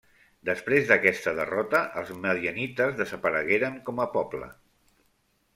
Després d'aquesta derrota els madianites desaparegueren com a poble.